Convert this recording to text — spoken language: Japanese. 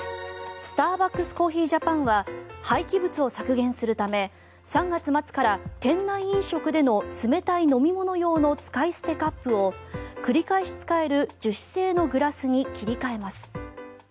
スターバックスコーヒージャパンは廃棄物を削減するため３月末から店内飲食での冷たい飲み物用の使い捨てカップを繰り返し使える樹脂製のグラスに切り替えます。